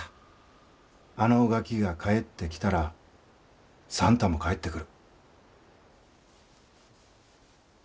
あのガキが帰ってきたら算太も帰ってくる。